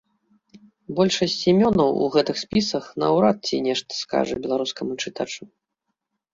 Большасць імёнаў у гэтых спісах наўрад ці нешта скажа беларускаму чытачу.